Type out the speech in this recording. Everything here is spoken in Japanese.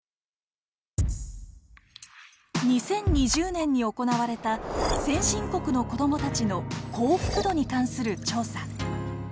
２０２０年に行われた先進国の子どもたちの幸福度に関する調査。